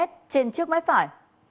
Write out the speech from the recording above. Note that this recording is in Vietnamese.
trên trước mái phải